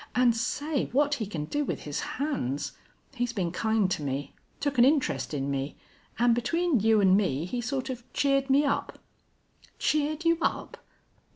And say! what he can do with his hands! He's been kind to me. Took an interest in me, and between you and me he sort of cheered me up." "Cheered you up!